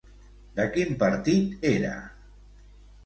De quin partit era?